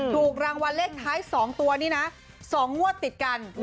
ถูกรางวัลเลขท้าย๒ตัวนี่นะ๒งวดติดกัน